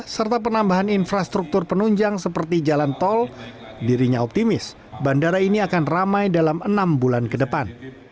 serta penambahan infrastruktur penunjang seperti jalan tol dirinya optimis bandara ini akan ramai dalam enam bulan ke depan